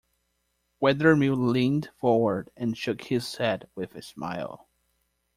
Wethermill leaned forward and shook his head with a smile.